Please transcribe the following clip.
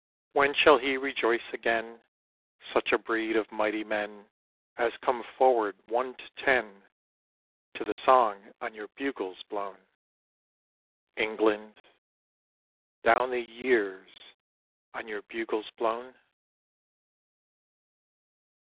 When shall he rejoice agen Such a breed of mighty men As come forward, one to ten, To the Song on your bugles blown, England Down the years on your bugles blown?